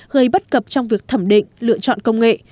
gây bất cập trong việc thẩm định lựa chọn công nghệ